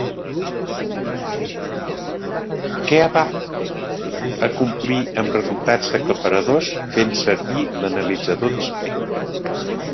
Que va acomplir amb resultats aclaparadors fent servir l'analitzador d'espectre.